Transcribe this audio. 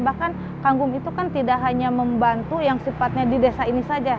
bahkan kagum itu kan tidak hanya membantu yang sifatnya di desa ini saja